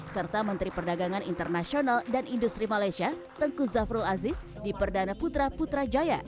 serta menteri perdagangan internasional dan industri malaysia tengku zafrul aziz di perdana putra putrajaya